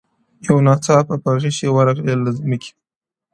• یو ناڅاپه غشی ورغی له مځکي ,